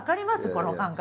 この感覚。